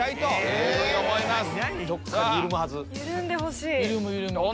緩んでほしい。